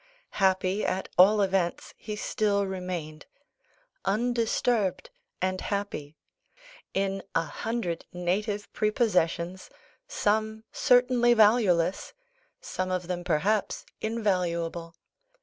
Happy, at all events, he still remained undisturbed and happy in a hundred native prepossessions, some certainly valueless, some of them perhaps invaluable.